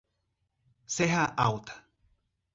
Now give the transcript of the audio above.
Serra Alta